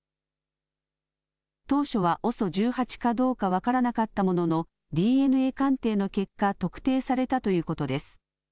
当初はＯＳＯ１８かどうか分からなかったものの、ＤＮＡ鑑定の結果、特定されたということです。